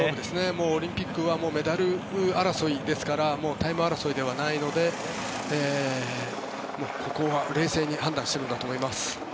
オリンピックはメダル争いですからタイム争いではないのでここは冷静に判断しているんだと思います。